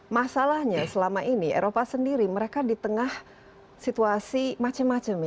masalahnya selama ini eropa sendiri mereka di tengah situasi macam macam ya